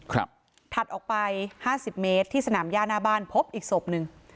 ครับถัดออกไป๕๐เมตรที่สนามย่าน่าบ้านพบอีกศพหนึ่ง